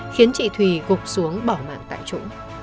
khiến chị thùy gục xuống bỏ mạng tại chỗ